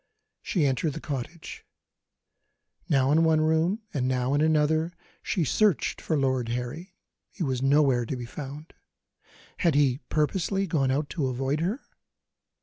She entered the cottage. Now in one room, and now in another, she searched for Lord Harry; he was nowhere to be found. Had he purposely gone out to avoid her?